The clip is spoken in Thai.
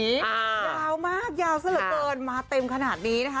เดามากยาวเสลอเตินมาเต็มขนาดนี้นะคะ